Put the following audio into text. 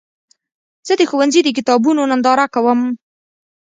زه د ښوونځي د کتابونو ننداره کوم.